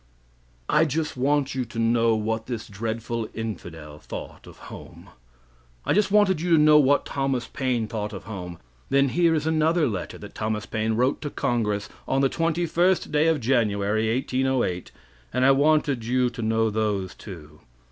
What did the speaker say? I just want you to know what this dreadful infidel thought of home. I just wanted you to know what Thomas Paine thought of home. Then here is another letter that Thomas Paine wrote to congress on the 21st day of January, 1808, and I wanted you to know those two.